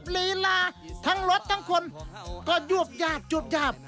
ลีลาทั้งรถทั้งคนก็ยวบยากจวบยาบ